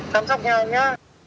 chăm sóc nhau nhé